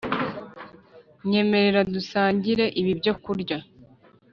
Nyemerera dusangire ibi byokurya